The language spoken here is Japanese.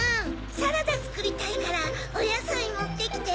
サラダつくりたいからおやさいもってきて。